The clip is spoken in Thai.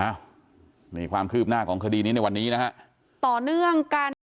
อ้าวมีความคืบหน้าของคดีนี้ในวันนี้นะฮะ